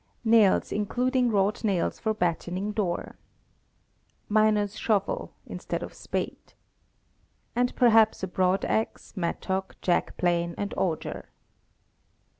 Nails, including wrought nails for battening door. Miner's shovel, instead of spade. And perhaps a broadaxe, mattock, jack plane, and auger.